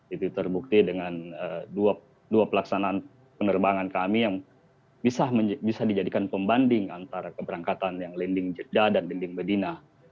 itu terbukti dengan dua pelaksanaan penerbangan kami yang bisa dijadikan pembanding antara keberangkatan yang landing jeddah dan dinding bedina